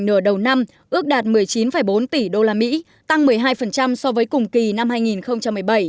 nửa đầu năm ước đạt một mươi chín bốn tỷ usd tăng một mươi hai so với cùng kỳ năm hai nghìn một mươi bảy